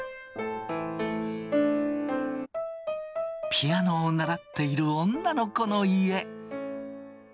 ピアノを習っている女の子の家。